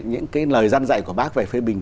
những cái lời dăn dạy của bác về phê bình